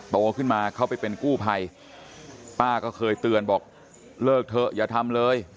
โตขึ้นมาเขาไปเป็นกู้ภัยป้าก็เคยเตือนบอกเลิกเถอะอย่าทำเลย